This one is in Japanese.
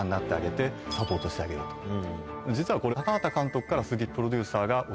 実はこれ高畑監督から鈴木プロデューサーが。